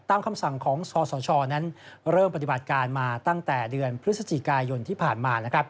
คำสั่งของสสชนั้นเริ่มปฏิบัติการมาตั้งแต่เดือนพฤศจิกายนที่ผ่านมา